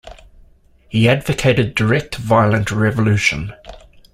He advocated direct, violent revolution.